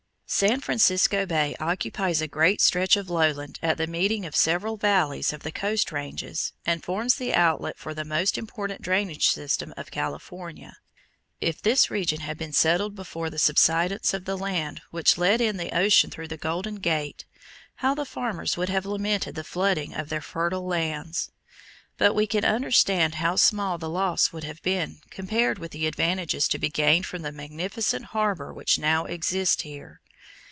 San Francisco Bay occupies a great stretch of lowland at the meeting of several valleys of the Coast Ranges and forms the outlet for the most important drainage system of California. If this region had been settled before the subsidence of the land which let in the ocean through the Golden Gate, how the farmers would have lamented the flooding of their fertile lands! But we can understand how small the loss would have been, compared with the advantages to be gained from the magnificent harbor which now exists here.